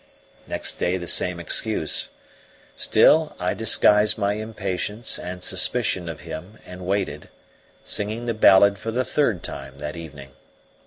Next day the same excuse; still I disguised my impatience and suspicion of him and waited, singing the ballad for the third time that evening.